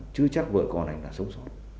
chứ chắc vợ con này là sống sót